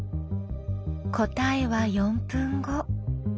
答えは４分後。